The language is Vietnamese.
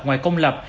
ngoài công lập